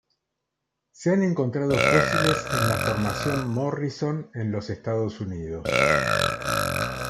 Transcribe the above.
Se han encontrado fósiles en la Formación Morrison en los Estados Unidos.